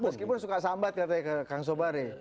meskipun suka sambat katanya ke kang sobari